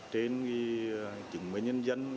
trên chứng minh nhân dân